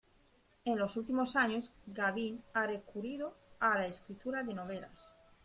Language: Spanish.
En los últimos años, Gavin ha recurrido a la escritura de novelas.